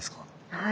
はい。